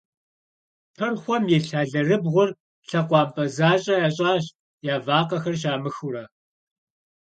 Пырхъуэм илъ алэрыбгъур лъэкъуампӏэ защӏэ ящӏащ, я вакъэхэр щамыхыурэ.